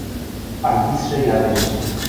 – Анфисшӹ ядеш.